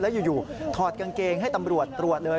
แล้วอยู่ถอดกางเกงให้ตำรวจตรวจเลย